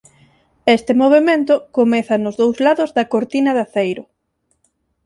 Este movemento comeza nos dous lados da "cortina de aceiro".